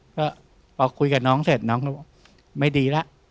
ก็พอคุยกับน้องเสร็จน้องก็บอกไม่ดีแล้ว